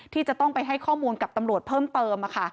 ที่จะต้องไปให้ข้อมูลกับตำรวจเพิ่มเติม